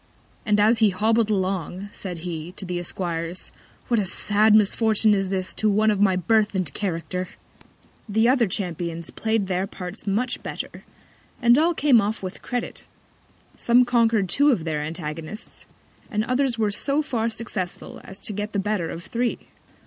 And as he hobbled along, said he, to the Esquires, what a sad Misfortune is this to One of my Birth and Character! The other Champions play'd their Parts much better; and all came off with Credit. Some conquer'd two of their Antagonists, and others were so far successful as to get the better of three.